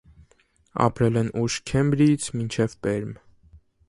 Ապրել են ուշ քեմբրիից մինչև պերմ։